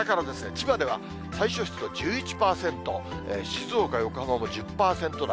千葉では最小湿度１１％、静岡、横浜も１０％台。